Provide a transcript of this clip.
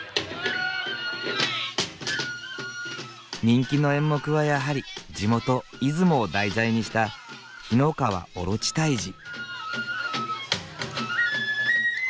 人気の演目はやはり地元出雲を題材にした「簸乃川大蛇退治」。